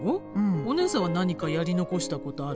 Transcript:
お姉さんは何かやり残したことある？